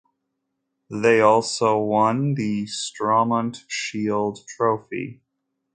They also won the Stormont Shield trophy.